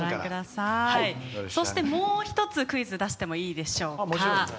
もう１つ、クイズ出してもよろしいでしょうか。